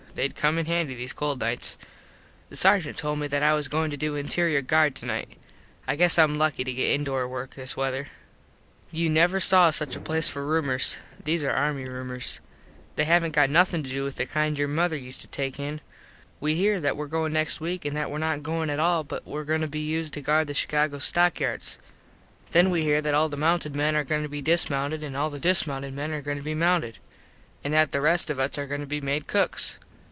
Theyd come in handy these cold nights. The sargent told me that I was goin to do interior guard tonight. I guess Im lucky to get indoor work this wether. [Illustration: "I BEEN MADE AN OFFICER"] [Illustration: "SOMEBODIED SET A TRUNK ON THE TURKY"] You never saw such a place for roomors. These are army roomors. They havnt got nothin to do with the kind your mother used to take in. We here that were going next week an that were not goin at all but were goin to be used to guard the Chicago stock yards. Then we here that all the mounted men are goin to be dismounted an all the dismounted men are goin to be mounted. An that the rest of us are goin to be made cooks.